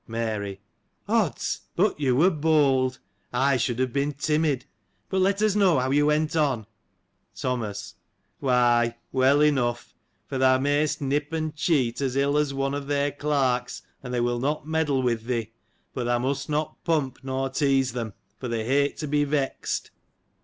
Mary. — Odds ! but you were bold. I should have been timid. But, let us know how you went on. Thomas. — Why, well enough, for thou mayst nip and cheat, as ill as one of their clerks, and they will not meddle with thee : but thou must not pump, nor tease them, for they hate to be vexed.